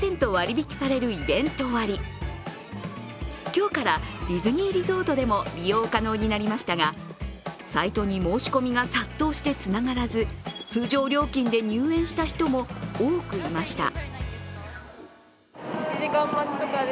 今日からディズニーリゾートでも利用可能になりましたが、サイトに申し込みが殺到してつながらず通常料金で入園した人も多くいました。